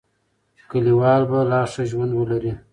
کلیوال به لا ښه ژوند ولري.